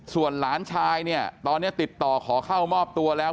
ส่วนหลานชายเนี่ยตอนนี้ติดต่อขอเข้ามอบตัวแล้ว